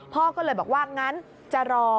พ่อก็เลยบอกว่างั้นจะรอ